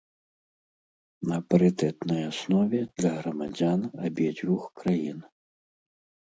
На парытэтнай аснове для грамадзян абедзвюх краін.